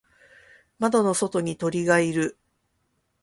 窓の外に鳥がいる。